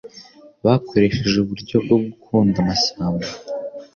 bakoresheje uburyo bwo gukonda amashyamba,